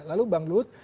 lalu bang ruh